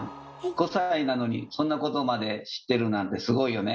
５歳なのにそんなことまで知ってるなんてすごいよね。